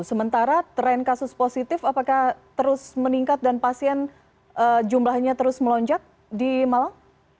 sementara tren kasus positif apakah terus meningkat dan pasien jumlahnya terus melonjak di malang